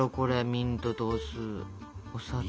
ミントとお酢お砂糖。